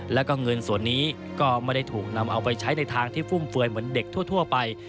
แล้วก็เงินส่วนนี้ก็ไม่ได้ถูกนำเอาไปใช้ในทางที่ฟุ่มเฟือยเหมือนเด็กทั่วไป